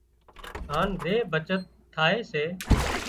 هانَ زي بچت ٿائي سي